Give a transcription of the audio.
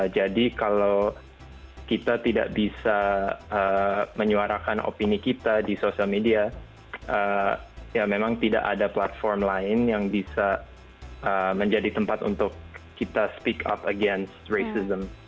jadi kalau kita tidak bisa menyuarakan opini kita di sosial media memang tidak ada platform lain yang bisa menjadi tempat untuk kita speak up against racism